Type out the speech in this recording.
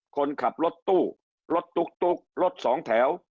คนขับรถตู้รถตุ๊กรถสองแถว